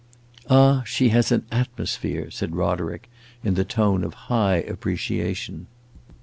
"Ah, she has an atmosphere," said Roderick, in the tone of high appreciation.